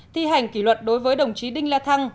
thi hành kỷ luật đối với đồng chí đinh la thăng